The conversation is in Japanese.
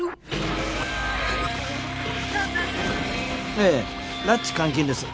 ええ拉致・監禁です。